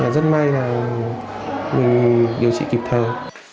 rất may là mình điều trị kịp thời